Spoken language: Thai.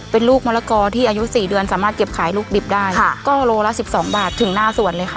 เป็นลูกมะละกอที่อายุสี่เดือนสามารถเก็บขายลูกดิบได้ค่ะก็โลละสิบสองบาทถึงหน้าสวนเลยค่ะ